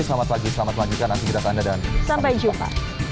selamat pagi selamat pagi dan asli kita tanda dan sampai jumpa